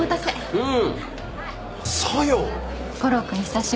うん。